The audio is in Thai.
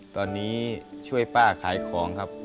ตอนนี้ช่วยป้าขายของครับ